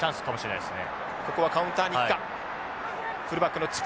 いいですね。